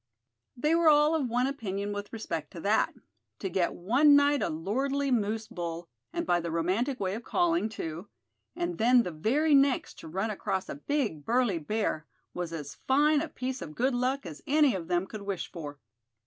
They were all of one opinion with respect to that. To get one night a lordly moose bull, and by the romantic way of calling, too; and then the very next to run across a big burly bear, was as fine a piece of good luck as any of them could wish for.